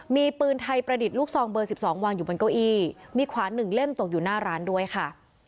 มีปืนไทยประดิษฐ์ลูกซองเบอร์๑๒วางอยู่บนเก้าอี้มีขวานหนึ่งเล่มตกอยู่หน้าร้านด้วยค่ะ